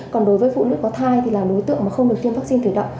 còn đối với phụ nữ có thai thì là đối tượng mà không được tiêm vaccine thủy đậu